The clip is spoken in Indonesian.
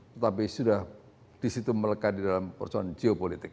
tetapi sudah disitu melekat di dalam persoalan geopolitik